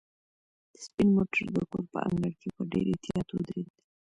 سپین موټر د کور په انګړ کې په ډېر احتیاط ودرېد.